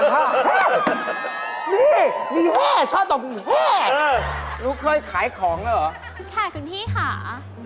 นี่มีแห่ชอบต่อหมูแห้หนูเคยขายของแล้วเหรอค่ะคุณพี่ค่ะ